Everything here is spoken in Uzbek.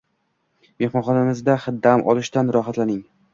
Mehmonxonamizda dam olishdan rohatlaning.